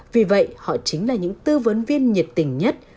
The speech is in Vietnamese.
vì vậy họ chính là những tư vấn viên nhiệt tình nhất